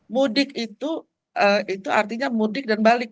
mudik itu artinya mudik dan balik